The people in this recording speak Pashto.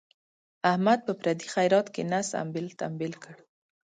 احمد په پردي خیرات کې نس امبېل تمبیل کړ.